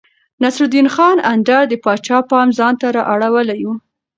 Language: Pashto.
نصرالدين خان اندړ د پاچا پام ځانته رااړولی و.